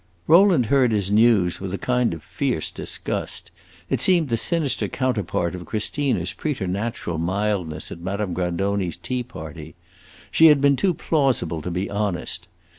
Rowland heard his news with a kind of fierce disgust; it seemed the sinister counterpart of Christina's preternatural mildness at Madame Grandoni's tea party. She had been too plausible to be honest.